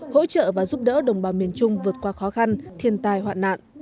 hỗ trợ và giúp đỡ đồng bào miền trung vượt qua khó khăn thiên tai hoạn nạn